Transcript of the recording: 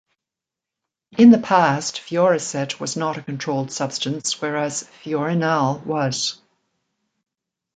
In the past Fioricet was not a controlled substance whereas Fiorinal was.